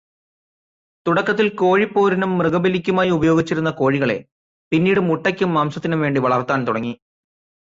തുടക്കത്തിൽ കോഴിപ്പോരിനും മൃഗബലിക്കുമായി ഉപയോഗിച്ചിരുന്ന കോഴികളെ പിന്നീട് മുട്ടയ്ക്കും മാംസത്തിനും വേണ്ടി വളർത്താൻ തുടങ്ങി.